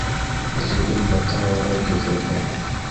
Izle gamnda Tawara givirek a.